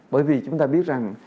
bởi vì chúng ta biết rằng